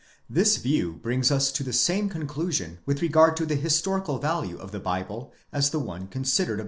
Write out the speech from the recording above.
This view brings us to the same conclusion with regard to the historical value of the Bible as the one above considered.